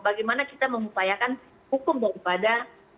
bagaimana kita mengupayakan hukum daripada